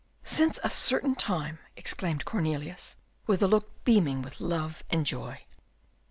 "Since a certain time!" exclaimed Cornelius, with a look beaming with love and joy.